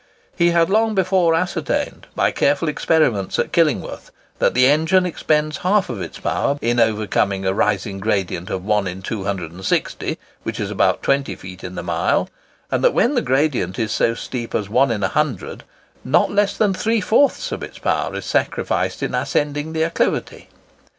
He had long before ascertained, by careful experiments at Killingworth, that the engine expends half of its power in overcoming a rising gradient of 1 in 260, which is about 20 feet in the mile; and that when the gradient is so steep as 1 in 100, not less than three fourths of its power is sacrificed in ascending the acclivity.